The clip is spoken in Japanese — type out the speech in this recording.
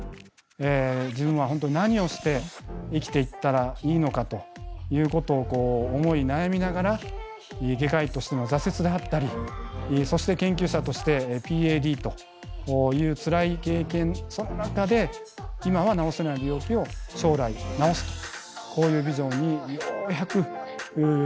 自分は本当何をして生きていったらいいのかということを思い悩みながら外科医としての挫折であったりそして研究者としてＰＡＤというつらい経験その中で今は治せない病気を将来治すとこういうビジョンにようやくたどりついたわけです。